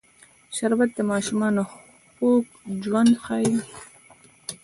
شربت د ماشومانو خوږ ژوند ښيي